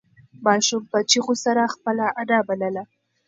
ماشوم په چیغو سره خپله انا بلله.